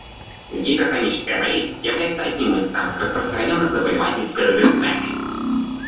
Гипертоническая болезнь является одним из самых распространенных заболеваний в Кыргызстане.